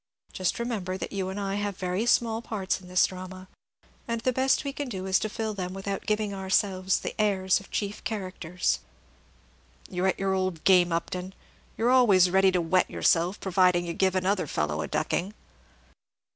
Just remember that you and I have very small parts in this drama, and the best way we can do is to fill them without giving ourselves the airs of chief characters." "You're at your old game, Upton; you are always ready to wet yourself, provided you give another fellow a ducking."